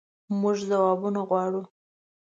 مونږ ځوابونه غواړو